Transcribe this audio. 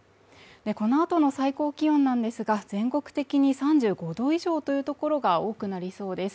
このあとの最高気温なんですが全国的に３５度以上という所が多くなりそうです